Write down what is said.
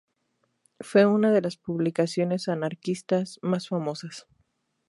Fue una de las publicaciones anarquistas más famosas.